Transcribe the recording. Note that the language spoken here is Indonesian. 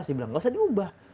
saya bilang nggak usah diubah